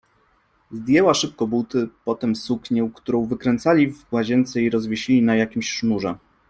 Zdjęła szybko buty, potem suknię, którą wykręcali w łazience i rozwiesili na jakimś sznurze.